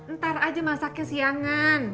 ntar aja masaknya siangan